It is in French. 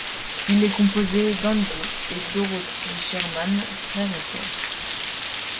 Il est composé d'Andy et Dorothy Sherman, frère et sœur.